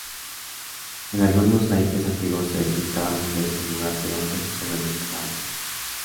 En algunos naipes antiguos se pintaban mujeres en lugar de hombres sobre los caballos.